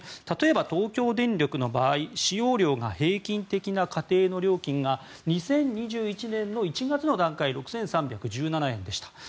例えば東京電力の場合使用量が平均的な家庭の料金が２０２１年の１月の段階６３１７円でした。